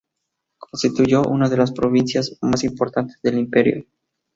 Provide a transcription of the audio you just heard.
Constituyó uno de las provincias más importantes del Imperio.